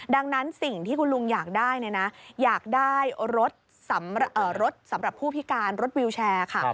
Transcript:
ดังนั้นสิ่งที่คุณลุงอยากได้เนี่ยนะอยากได้รถสำหรับผู้พิการรถวิวแชร์ค่ะ